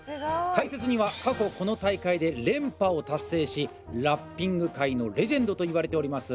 解説には、過去この大会で連覇を達成し、ラッピング界のレジェンドといわれております